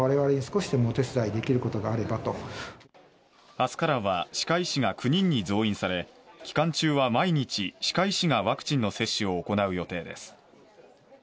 あすからは歯科医師が９人に増員され期間中は毎日、歯科医師がワクチンの接種を行う予定です。